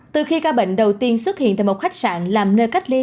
từ khi ca bệnh đầu tiên xuất hiện tại một khách sạn làm nơi cách ly